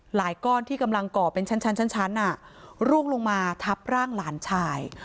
ก้อนที่กำลังก่อเป็นชั้นร่วงลงมาทับร่างหลานชาย